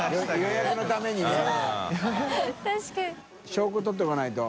証拠撮っておかないと。